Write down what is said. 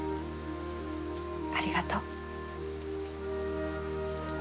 ありがとう